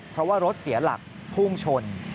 เพราะว่ารถเสียหลักพุ่งชน